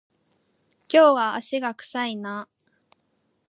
今日は足が臭いな